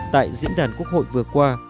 tại diễn đàn quốc hội vừa qua